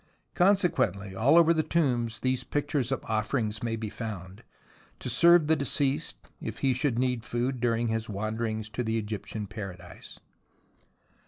Consequently, all over the tombs, these pictures of offerings may be found, to serve the deceased if he should need food during his wanderings to the Egyptian Paradise.